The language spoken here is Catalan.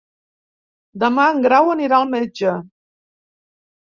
Demà en Grau anirà al metge.